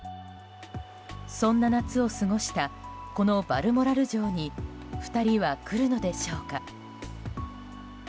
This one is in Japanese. そんな夏を過ごしたこのバルモラル城に２人は来るのでしょうか。